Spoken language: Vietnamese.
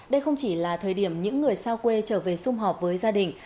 đây không chỉ là thời điểm những người xa quê trở về xung họp với gia đình